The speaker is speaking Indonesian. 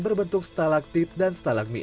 berbentuk stalaktit dan stalagmit